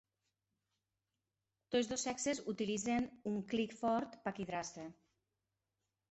Tots dos sexes utilitzen un "clic" fort per cridar-se.